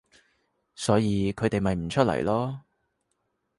所以佢哋咪唔出嚟囉